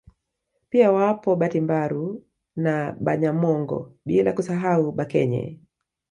Pia wapo Batimbaru na Banyamongo bila kusahau Bakenye